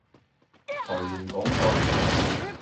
財源廣進